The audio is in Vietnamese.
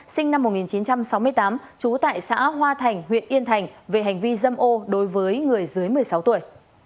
sinh năm một nghìn chín trăm sáu mươi tám trú tại xã hoa thành huyện yên thành về hành vi dâm ô đối với người dưới một mươi sáu tuổi